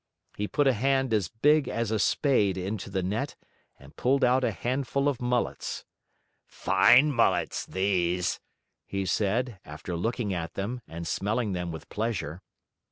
He put a hand as big as a spade into the net and pulled out a handful of mullets. "Fine mullets, these!" he said, after looking at them and smelling them with pleasure.